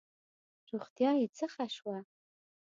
روغتیا یې څه ښه شوه.